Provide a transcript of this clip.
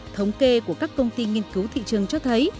thống kê của các công ty nghiên cứu thị trường cho thấy